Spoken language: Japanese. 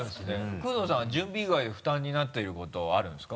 工藤さんは準備以外で負担になってることあるんですか？